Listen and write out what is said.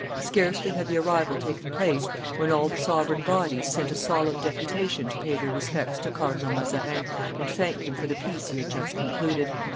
Scarcely had the arrival taken place, when all the sovereign bodies sent a solemn deputation to pay their respects to Cardinal Mazarin and thank him for the peace he had just concluded.